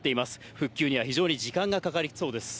復旧には非常に時間がかかりそうです。